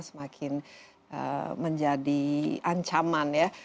semakin menjadi ancaman ya